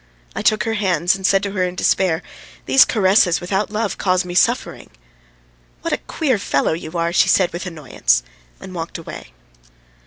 I took her hands and said to her in despair: "These caresses without love cause me suffering!" "What a queer fellow you are!" she said with annoyance, and walked away.